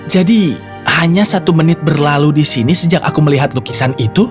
jadi hanya satu menit berlalu di sini sejak aku melihat lukisan itu